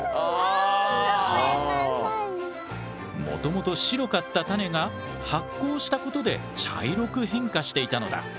もともと白かったタネが発酵したことで茶色く変化していたのだ。